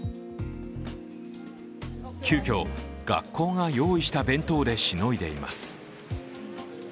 急きょ、学校が用意した弁当でしのいでいます。